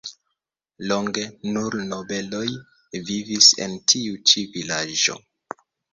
Longe nur nobeloj vivis en tiu ĉi vilaĝo.